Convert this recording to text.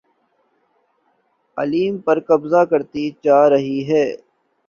علیم پر قبضہ کرتی جا رہی ہے